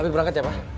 afif berangkat ya pak